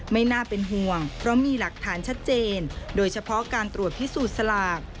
ไม่น่าเป็นห่วงเพราะมีหลักฐานชัดเจนโดยเฉพาะการตรวจพิสูจน์สลาก